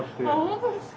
本当ですか？